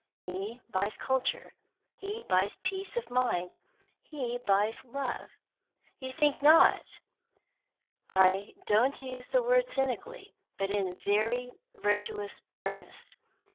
He buys culture, he buys peace of mind, he buys love. You think not! I don't use the word cynically, but in very virtuous earnest.